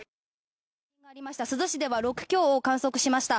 珠洲市では６強を観測しました。